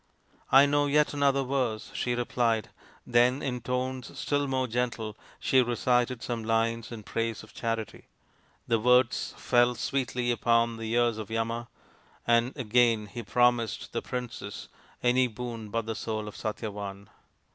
" I know yet another verse," she replied. Then in tones still more gentle she recited some lines in praise of Charity. The words fell sweetly upon the ears of Yama, and again he promised the princess any boon but the soul of Satyavan.